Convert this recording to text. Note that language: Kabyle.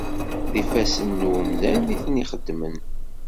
D ifassen n umdan i ten-ixedmen.